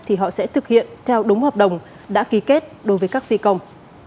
thì họ sẽ thực hiện theo đúng hợp đồng đã ký kết đối với các phi công